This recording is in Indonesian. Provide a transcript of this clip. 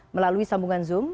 melalui sambungan zoom